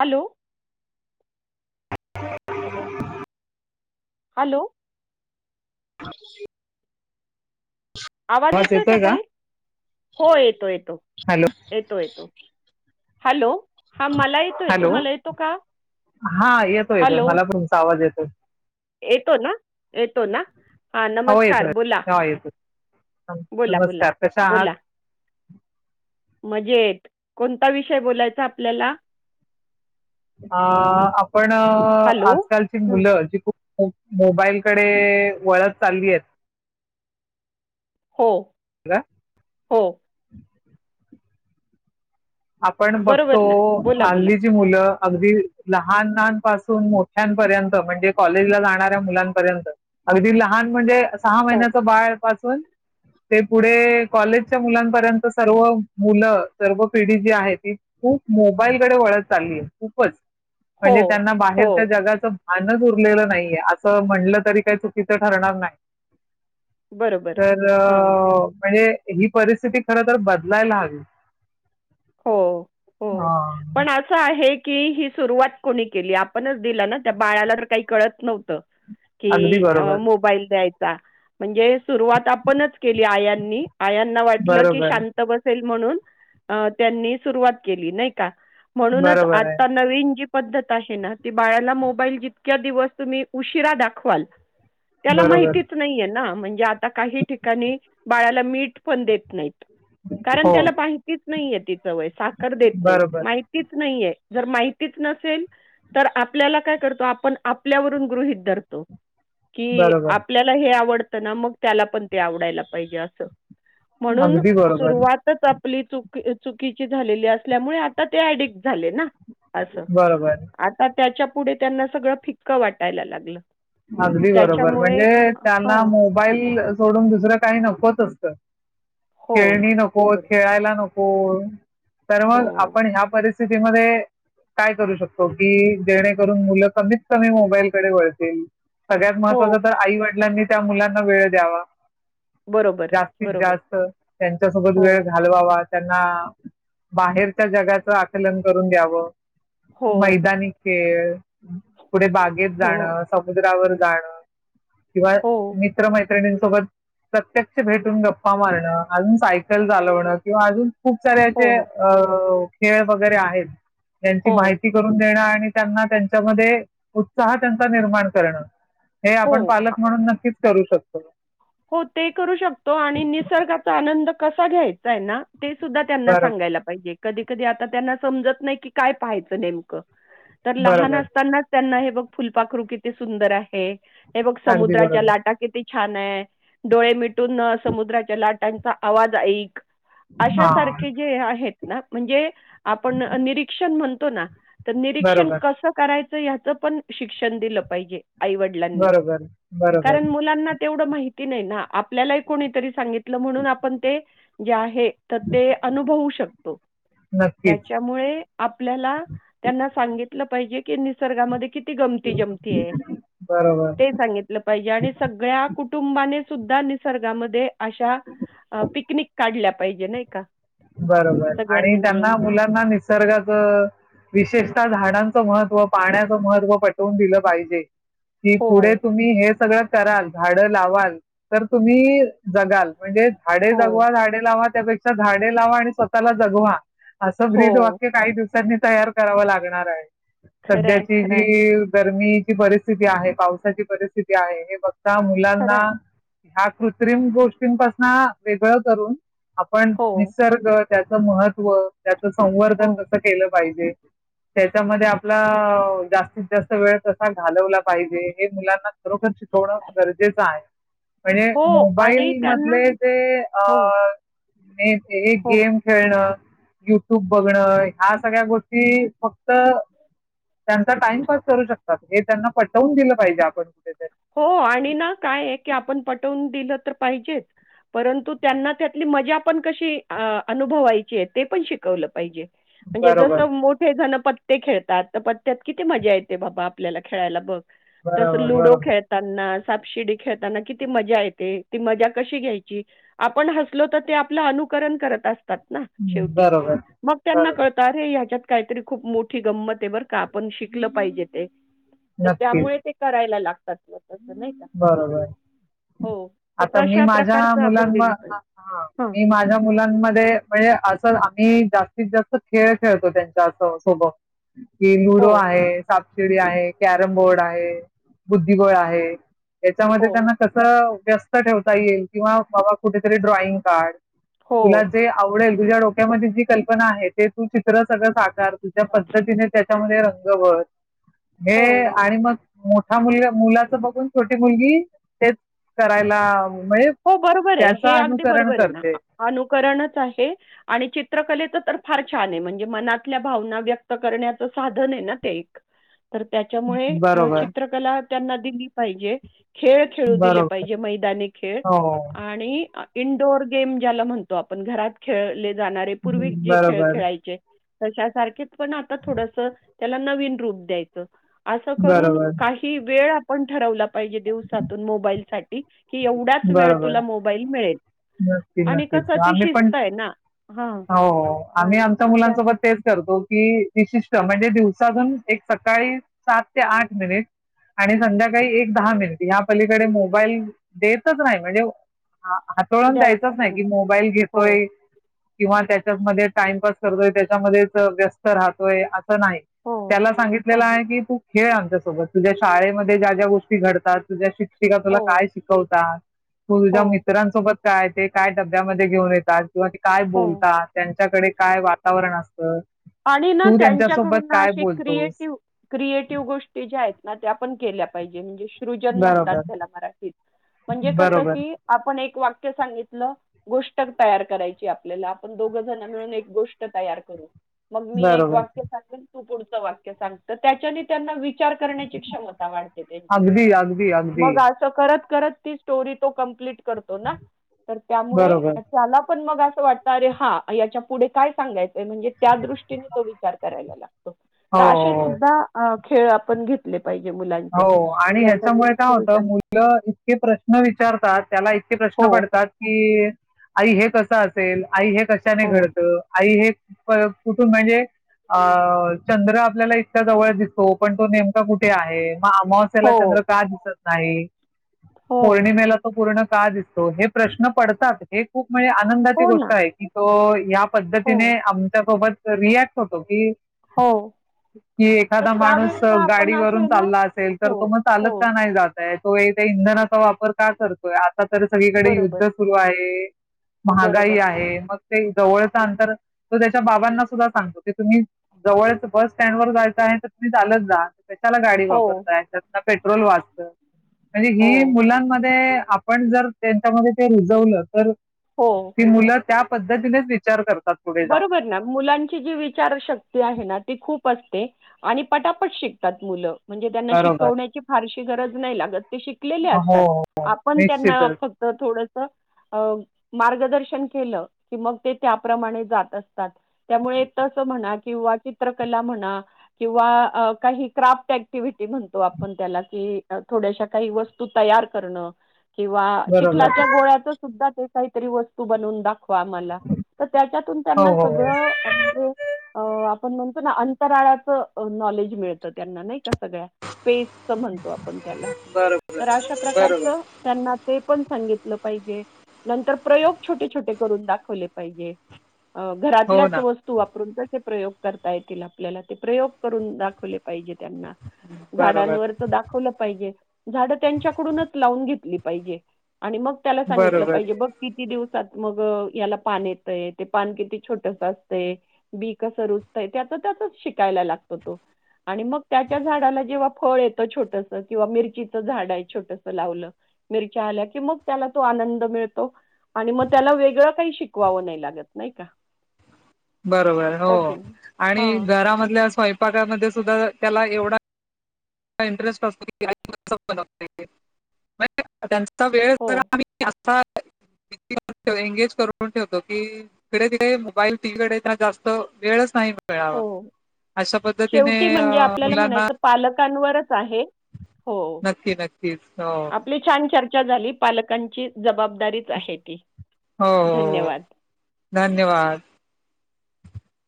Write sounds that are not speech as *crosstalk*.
Hello! *unintelligible* Hello! *unintelligible* आवाज येतोय, का ताई? हो येतो येतो हॅलो येतो येतो. हॅलो! हा मला येतोय हॅलो तूम्हाला येतो का? हा येतोय येतोय, हॅलो मला पण तुमचा आवाज येतोय. येतो ना येतो ना हा हो नमस्कार! येतोय बोला. हा येतोय बोला बोला नमस्कार कशा आहात बोला. मजेत कोणता विषय बोलायचा आपल्याला? अ आपण हॅलो आजकालची हं, मुलं जी खूप मोबाईलकडे वळत चाललीयेत. हो. हो *unintelligible* आपण बघतो बरोबर ना बोला बोला हल्लीची मुलं अगदी लहानांपासून मोठ्यांपर्यंत म्हणजे कॉलेजला जाणाऱ्या मुलांपर्यंत अगदी लहान म्हणजे, सहा हो महिन्याच बाळ जवळपास ते पुढे कॉलेजच्या मुलांपर्यंत सर्व मुलं सर्व पिढी जी आहे ती खूप मोबाईलकडे वळत चालली आहे खूपच. हो म्हणजे त्यांना हो बाहेरच्या जगाच भानज उरलेलं नाहीये, असं म्हणलं तरी काही चुकीचं ठरणार नाही. बरोबर तर हां अ- म्हजे ही परिस्थिती खरंतर बदलायला हवी. हो, हो. हा पण असं आहे की ही सुरुवात कोणी केली. आपणच दिला ना त्या बाळाला तर काही कळत नव्हतं. अगदी कि बरोबर मोबाईल द्यायचा. म्हणजे सुरवात आपणच केली आया नी आयांना वाटलं की बरोबर शांत बसेल म्हणून, त्यांनी सुरुवात केली नाही का? म्हणूनच बरोबर आहे आता नवीन जी पद्धत आहेना, ती बाळाला मोबाईल जितक्या दिवस तुम्ही उशिरा दाखवाल त्याला बरोबर माहितीच नाहीये ना म्हणजे आता काही ठिकाणी, बाळाला मीठ पण देत नाहीत. कारण हो त्याला माहितीच नाहीये तिचं वय साखर देत नाही बरोबर माहितीच नाहीये... जर माहितीच नसेल तर आपल्याला काय करतो आपण आपल्यावरून गृहित धरतो.. कि बरोबर आपल्याला हे आवडतं ना मग त्याला पण ते आवडायला पाहिजे असं... म्हणून अगदी बरोबर सुरुवातच.. आपली चुकीची झालेली असल्यामुळे आता ते आडिक झाले ना अस बरोबर आता त्याच्या पुढे त्यांना सगळं फिक्क वाटायला लागलं.... अगदी बरोबर त्याच्यामुळे म्हणजे त्यांना हां. मोबाईल सोडून दुसरं काही नकोच असतं... हो. खेळणी नको बरोबर. खेळायला नको तर मग हो. आपण ह्या परिस्थ... स्थितीमध्ये... काय करू शकतो की जेणेकरून मुलं कमीत कमी मोबाईलकडे वळतील... सगळ्यात हो. महत्त्वाचं तर आई वडिलांनी त्या मुलांना वेळ द्यावा... बरोबर, जास्तीत बरोबर. जास्त त्यांच्या सोबत हो. वेळ घालवावा... त्यांना बाहेरच्या जगाचं आकलन करून द्यावं हो. मैदानी... खेळ पुढे बागेत हो. जाणं समुद्रावर जाणं... किंवा हो. मित्र मैत्री... णीसोबत प्रत्यक्ष भेटून गप्पा मारणं अजुन सायकल चालवणं किंवा अजुन... खूप हो. साऱ्याचे हो. खेळ वगैरे आहेत यांची हो. माहिती करून देण... आणि त्यांना त्यांच्यामध्ये उत्साह त्यांचा निर्माण करणं... हे आपण हो. पालक म्हणुन नक्कीच करू शकतो... हो ते करू शकतो आणि निसर्गाचा आनंद कसा घ्यायचा आहे ना.. ते सुद्धा त्यांना बरोबर सांगायला पाहिजे कधी कधी आता त्यांना समजत नाही की काय पाहायचं नेमकं... तर लहान बरोबर असतानाच त्यांना हे बघ फुलपाखरू किती सुंदर आहे... हे बघ अगदी समुद्राच्या बरोबर लाटा किती छान आहे... डोळे मिटून न समुद्राच्या लाटांचा आवाज ऐक... अश्या हा सारखे जे आहेत ना म्हणजे आपण निरीक्षण म्हणतो ना... तर निरीक्षण बरोबर कसं करायचं याचं पण शिक्षण दिलं पाहिजे... आईवडिलांनी बरोबर बरोबर कारण मुलांना.. तेवढ माहिती नाही ना आपल्याला कोणीतरी सांगितलं म्हणून आपण ते जे आहे... तर ते अनुभवू शकतो.. नक्कीच त्याच्यामुळे आपल्याला त्यांना सांगितलं पाहिजे की निसर्गामध्ये कि... गमंती जमंती आहे बरोबर ते सांगितलं पाहिजे आणि सगळ्या कु... कुटुंबाने सुद्धा निसर्गामध्ये अशा पिकनिक काढल्या पाहिजे नाही का... बरोबर आणि सगळ्यांनी मिळून. त्यांना मुलांना निसर्गाच विशेष... ता झाडांचं महत्त्व पाण्याचं महत्त्व पटवून दिलं पाहिजे... कि हो, पुढे तुम्ही हे सगळं कराल झाडं लावाल तर तुम्ही जगाल... म्हणजे झाडे हो, जगवा झाडे लावा त्यापेक्षा झाडे लावा आणि स्वतःला जगवा... असं ब्रीद हो. वाक्य काही दिवसांनी तयार करावं लागणार आहे खरं आहे, सध्याची खरं आहे, जी... गरमीची परिस्थिती आहे पावसाची परिस्थिती आहे हे फक्त खरं मुलांना... आहे. ह्या कृत्रिम गोष्टींनपासून वेगळं करून आपण हो, निसर्ग... त्याच महत्व त्याच हो, संवर्धन कसं केलं पाहिजे... त्याच्यामध्ये आपला जास्तीत जास्त वेळ कसा घालवला पाहिजे हे मुलांना खरोखर... शिकवणं गरजेचं हाय.. म्हणजे हो आणि मोबाईल त्यांना मधले ते अ... हो, एक हो. गेम खेळणं... युट्यूब बघणं ह्या सगळ्या गोष्टी फक्त... त्यांचा टाइमपस करू शकतात हे त्यांना पटवून दिलं पाहिजे आपण... कुठेतरी हो आणि ना काय आहे, की आपण पटवून दिलं तर पाहिजेच.. परंतु त्यांना त्यातली मजा पण कशी अनुभवायची आहे ते पण शिकवलं पाहिजे... म्हणजे जस बरोबर मोठे जण... पत्ते खेळतात तर पत्त्यात किती मजा येते बाबा आपल्याला खेळायला बघ... तसं बरोबर लुडो बरोबर *unintelligible* सापशिडी खेळताना किती मजा येते ती मजा कशी घ्यायची आपण हसलो तर आपलं अनुकरण करत असतात ना शेवटी बरोबर मग त्यांना बरोबर कळत अरे ह्यांच्यात काहीतरी खूप मोठी गंमत बर का आपण शिकलं पाहिजे ते तर नक्कीच त्यामुळे ते करायला लाग बरोबर हो. तर आता मी तशा माझ्या प्रकारचं मुलां आपण दिलं पाहिजे. *unintelligible* हां. मी माझ्या मुलांनमध्ये म्हणजे असंच आम्ही जास्तीत जास्त खेळ खेळतो त्यांच्या सोबत कि हो, लुडो आहे शिडी आहे कॅरम बोर्ड आहे बुद्धिगळ आहे याच्यामध्ये हो, त्यांना कस व्यस्त ठेवता येईल किंवा बाबा कुठेतरी ड्रॉइंग काढ हो, तुला जे आवडेल तुझ्या डोक्यामध्ये जी कल्पना आहे ते तू चित्र सगळं साकार तुझ्या पद्धतीने त्याच्यामध्यें र *unintelligible* हे हो, आणि मग मोठा मुलग मुलाच बघून छोटी मुलगी तेच करायला म्हणजे हो बरोबर आहे त्याचं हे अगदी अनुसरण बरोबर आहे ना करते. अनुकरणच आहे आणि चित्रकलेच तर फार छान नाय म्हणजे मनातल्या भावना व्यक्त करण्याच साधन आहे ना ते एक तर त्याच्यामुळे बरोबर, चित्रकला त्यांना दिली पाहिजे खेळ खेळू दिले बरोबर. पाहिजे मैदानी खेळ हो. आणि इनडोअर गेम ज्याला म्हणतो आपण घरात खेळले जाणारे पूर्वी जे खेळ बरोबर, खेळायचे तशा सारखेच पण आता थोडस त्याला नवीन रूप द्यायचं असं करून बरोबर, काही वेळ आपण ठरवला पाहिजे दिवसातून मोबाईल साठी की एवढा त्याच वेळ बरोबर. तुला मोबाईल मिळेल नक्की आणि नक्कीच कसं ती आम्ही पण शिस्त आहे ना हां. हो आम्ही आणि आमच्या त्या मुलांनसोबत तेच करतो की विशिष्ट म्हणजे दिवसातून एक सकाळी सात ते आठ मिनिट आणि संध्याकाळी एक दहा मिनिट या पलीकडे मोबाईल देतच नाही म्हणजे हातोळून द्यायचच नाही की मोबाईल हो, घेतोय किंवा त्याच्यामध्ये टाइमपास करतोय त्याच्यामध्येच व्यस्त राहतोय नाही हो, त्याला हो, सांगितलेलं आहे की तू खेळ आमच्यासोबत तुझ्या शाळेमध्ये ज्या ज्या गोष्टी घडतात तुझ्या शिकषिका तुला हो, काय शिक तू *unintelligible* तुझ्या हो. मित्रांसोबत काय ते काय डब्यामध्ये घेऊन येतात किंवा ते काय हो बोलता त्यांच्याकडे काय वातावरण असतं आणि ना तू त्यांच्यासोबत त्यांच्याकडून अ काय *unintelligible* बोलतोस क्रिएटिव्ह क्रिएटिव्ह गोष्टी ज्या आहेत ना त्या पण केल्या पायजे म्हणजे सृजन *unintelligible* म्हणतात बरोबर त्याला मराठीत म्हणजे कस बरोबर की आपण ऐक वाक्य सांगितलं गोष्टर तयार करायची आपल्याला आपण दोघ जण मिळून एक गोष्ट तयार करू मग मी एक बरोबर वाक्य सांगेन तू पुढचं वाक्य सांगत त्याच्यानी त्यांना विचार करण्याची क्षमता वाढते त्याची अगदी अगदी अगदी गावच करता ती स्टोरी तो कंपलिट करतो ना तर त्यामुळे बरोबर *unintelligible* पण मग असं वाटतं अरे हा याच्या पुढे काय सांगायचंय म्हणजे त्या दृष्टीने तो विचार करायला लाग तर हो असे हो सुध्दा खेळ आपण घेतले पाहिजे मुलांचे हो आणि ह्याच्यामुळे ज्याच्यातून काय होत सृजन मुलं इतके प्रश्न विचारतात त्याला इतके हो प्रश्न पडतात का की आई हे कसं असेल आई हे कशाने हो घडत आई हे बा कुठून आले अ अ चंद्र आपल्याला इतक्या जवळ दिसतो पण तो नेमका कुठे आहे अमावस्याला हो चंद्र का दिसत नाही ही हो पौर्णिमेला तो पूर्ण का दिसतो हे प्रश्न पडतात त हे खूप म्हणजे आनंदाची हो ना गोष्ट आहे की तो हो पद्धतीने ने आमच्यासोबत रिॲक्ट होतो की हो कि तर एखादा माणूस स त्यावेळेला आपण गाडीवरून असे ना चालला अस तो इतर हो तो मग हो चालत का नाही जातय तो एक इंधनाचा वापर का करतोय आता तर सगळीकडे युद्ध बरोबर सुरु आहे हे महागाई बरोबर आहे हे मग ते जवळचा अंतर तो त्याच्या बाबांना सुद्धा सांगतो की तुम्ही ही जवळच च बस स्टँड वर जायचा आहे नाही तर तुम्ही चालत जा कशाला गाडी हो वापर आता पेट्रोल वाचत आणि हो हे मुलांमध्ये. आपण जर त्यांच्यामध्ये ते रुजवलं तर हो ती मुलं त्या पद्धतीनेच विचार करतात. पुढे जाऊन. बरोबर ना मुलांची जी विचारशक्ती आहे, ना ती खूप. पटते आणि पटापट शिकतात मुल म्हणजे त्यांना बरोबर. शिकवण्याची फारशी गरज नाही लागत. ती शिकलेले हो, हो, असतात हो. आपण त्यांना निश्चितच. फक्त थोडस स अ मार्गदर्शन केलं की मग ते त्याप्रमाणे. जात असतात त्यामुळे तसं म्हणा किंवा चित्रकला म्हणा किवा आ काही. क्राफ्ट ऍक्टिव्हटी त्याला म्हणतो आपण त्याला कि, थोड्याशा काही वस्तू तयार करण. किंवा बरोबर. चिखलाच्या गोळ्याच सुद्धा ते काहीतरी वस्तू बनवून दाखवतात. का म्हणला त्याच्यातून हो, त्यांना हो, सगळ हो. *unintelligible* म्हणजे आपण म्हणतो ना अंतराळाच नॉलेज मिळतं त्यांना नाही का. असं सगळ्या स्पेसच म्हणतो आपण त्याला बरोबर तर अशा बरोबर प्रकारच त्यांना ते. पण सांगितल पाहिजे नंतर प्रयोग छोटे, छोटे करून दाखवले पाहिजे. ह हो घरातल्याच ना वस्तू वापरून बघ *unintelligible* प्रयोग करता येतील आपल्याला ते प्रयोग करून दाखवले पाहिजेत. त्यांना अ बरोबर झाडांवरच तर दाखवलं पाहिजे. झाड त्यांच्याकडूनच लावून घेतली पाहिजे आणि मग त्याला सांगितलं बरोबर पाहिजे बघ किती दिवस त मग याला पान येतय. ते पान किती छोट असत बी कस रुजतय त्याच त्याच शिकायला लागतो तो. आणि मग त्या च्या झाडाला जेव्हा. फळ येत छोटस किंवा मिरची झाड आहे, छोटस लावलं मिरच्या आल्या की, मग त्याला तो आनंद गंध मिळतो मग त्याला वेगळ काही शिकंवाव लागत नाही का. बरोबर हो ओ की नाही? आणि हां. घरामधल्या स्वयंपाकामध्ये सुद्धा. त्याला ला एवढा. त्याच इंटरेस्ट तर असतो की *unintelligible* कस असतो का वेळ हो, जरा आता ते आम्ही *unintelligible* आता *unintelligible* इग्लीश करून ठेवतो की तिकडे तिकडे मोबाईल तिकडे जास्त वेळच नाही मिळत कळावा हो. अशा पद्धतीने शेवटी आ म्हणजे आपल्याला मुलांना. म्हणायचं पालकांवरच आहे हो *unintelligible* आप छान च हो आपली छान चचा झाली पालकांची जबाब दारी आहे ती हो हो. धन्यवाद. धन्यवाद